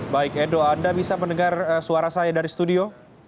baik edo anda bisa mendengar suara saya dari studio